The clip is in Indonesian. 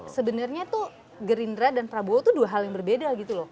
sebenarnya tuh gerindra dan prabowo itu dua hal yang berbeda gitu loh